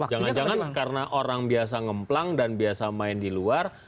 jangan jangan karena orang biasa ngeplang dan biasa main di luar